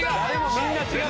みんな違う。